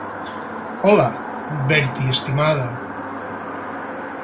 Hola, Bertie, estimada.